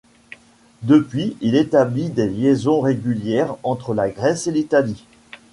Depuis, il établit des liaisons régulières entre la Grèce et l'Italie.